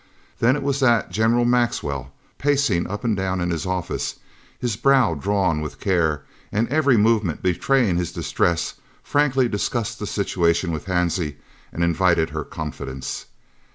Then it was that General Maxwell, pacing up and down in his office, his brow drawn with care, and every movement betraying his distress, frankly discussed the situation with Hansie and invited her confidence.